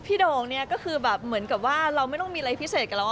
โด่งเนี่ยก็คือแบบเหมือนกับว่าเราไม่ต้องมีอะไรพิเศษกับเรา